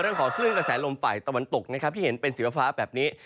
เรื่องของคลื่นกระแสลมฝ่ายตะวันตกนะครับที่เห็นเป็นสีฟ้าแบบนี้